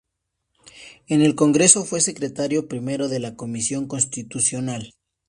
En el Congreso fue secretario primero de la Comisión Constitucional.